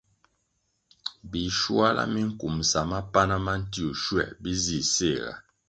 Bischuala minkumsa pana ma ntiwuh schuer bi zih séhga.